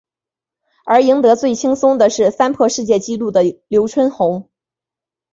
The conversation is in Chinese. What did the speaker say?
而赢得最轻松的是三破世界纪录的刘春红。